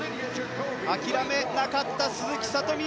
諦めなかった鈴木聡美。